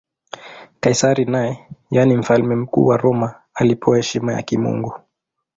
Kaisari naye, yaani Mfalme Mkuu wa Roma, alipewa heshima ya kimungu.